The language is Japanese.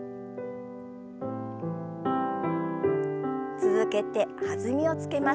続けて弾みをつけます。